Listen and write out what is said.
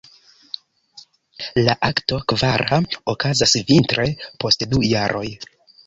La akto kvara okazas vintre post du jaroj.